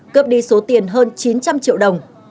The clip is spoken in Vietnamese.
cướp đi số tiền hơn chín trăm linh triệu đồng